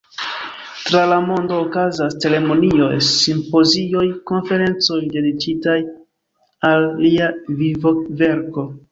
Tra la mondo okazas ceremonioj, simpozioj, konferencoj dediĉitaj al lia vivoverko.